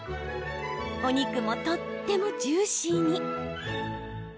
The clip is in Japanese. お肉もとってもジューシーに。